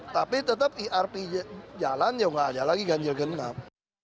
tapi tetap irp jalan ya nggak ada lagi ganjil genap